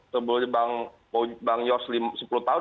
sebelumnya bang yos sepuluh tahun